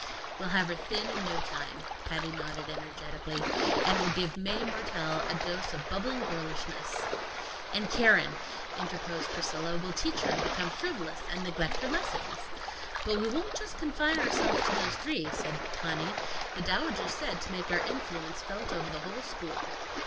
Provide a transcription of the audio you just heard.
"We'll have her thin in no time," Patty nodded energetically. "And we'll give Mae Mertelle a dose of bubbling girlishness." "And Keren," interposed Priscilla, "we'll teach her to become frivolous and neglect her lessons." "But we won't just confine ourselves to those three," said Conny. "The Dowager said to make our influence felt over the whole school."